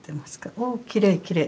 おっきれいきれい。